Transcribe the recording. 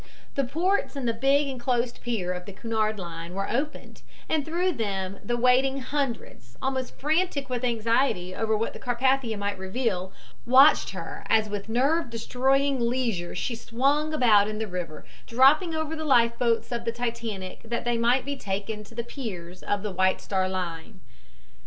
The ports in the big inclosed pier of the Cunard Line were opened, and through them the waiting hundreds, almost frantic with anxiety over what the Carpathia might reveal, watched her as with nerve destroying leisure she swung about in the river, dropping over the life boats of the Titanic that they might be taken to the piers of the White Star Line.